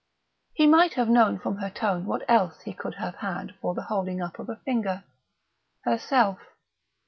He might have known from her tone what else he could have had for the holding up of a finger herself.